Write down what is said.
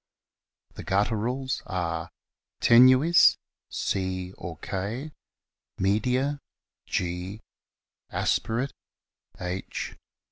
The gutturals are : Tenuis, C or K ; Media, G ; Aspirate, H.